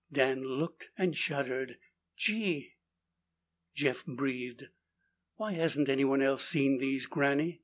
Dan looked and shuddered. "Gee!" Jeff breathed, "Why hasn't anyone else seen these, Granny?"